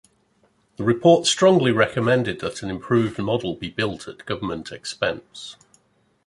The report strongly recommended that an improved model be built at government expense.